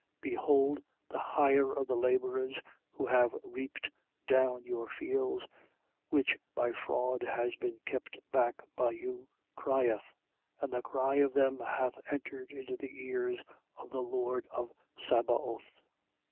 5:4. Behold the hire of the labourers who have reaped down your fields, which by fraud has been kept back by you, crieth: and the cry of them hath entered into the ears of the Lord of Sabaoth.